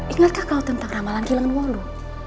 ingatkah kau tentang ramalan kilengen wolo